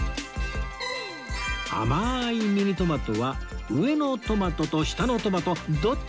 甘いミニトマトは上のトマトと下のトマトどっち？